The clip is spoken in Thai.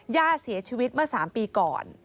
ย่าเสียชีวิตเมื่อ๓ปีก่อน